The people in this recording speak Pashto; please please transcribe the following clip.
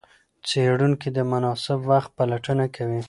څېړونکي د مناسب وخت پلټنه کوي.